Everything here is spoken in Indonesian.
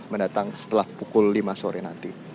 mendatang setelah pukul lima sore nanti